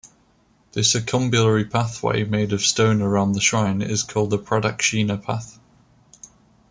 The circumbulary pathway made of stone around the shrine is called the Pradakshina path.